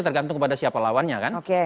tergantung kepada siapa lawannya kan